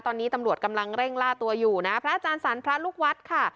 ตอนนี้ตำรวจกำลังเร่งล่าตัวอยู่นะพระอาจารย์สรรพระลูกวัดค่ะ